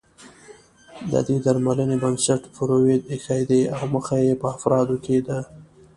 د دې درملنې بنسټ فرویډ اېښی دی او موخه يې په افرادو کې د